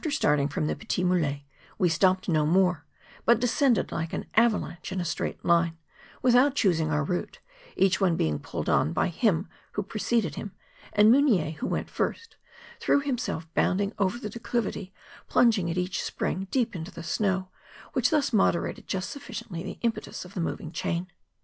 starting from the Petits Mulets, we stopped no more, but descended like an avalanche in a straight line, without choosing our route; each one being pulled on by him who preceded him, and Mugnier, who went first, threw himself bounding over the declivity, plunging at each spring deep into the snow, which thus moderated just sufficiently the impetus of the moving chain.